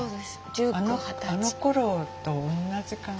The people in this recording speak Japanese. あのころとおんなじ感じ。